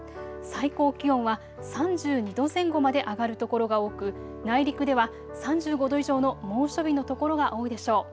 最高気温は３２度前後まで上がる所が多く内陸では３５度以上の猛暑日の所が多いでしょう。